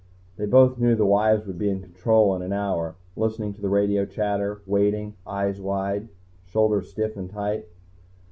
They both knew the wives would be in Control in an hour, listening to the radio chatter, waiting, eyes wide, shoulders stiff and tight.